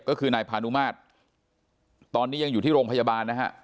ก็คือนายพานุมาตรตอนนี้ยังอยู่ที่โรงพยาบาลนะฮะ